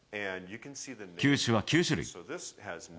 球種は９種類。